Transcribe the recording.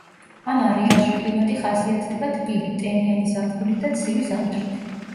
ამ არეალში კლიმატი ხასიათდება, თბილი, ტენიანი ზაფხულით და ცივი ზამთრით.